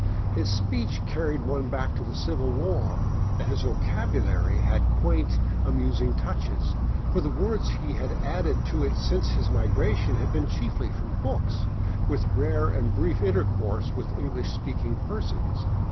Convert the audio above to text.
His speech carried one back to the Civil War, and his vocabulary had quaint, amusing touches ; for the words he had added to it since his migration had been chiefly from books, with rare and brief intercourse with English speaking persons.